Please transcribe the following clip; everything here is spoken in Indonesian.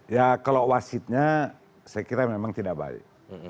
ya kalau wasitnya saya kira memang tidak baik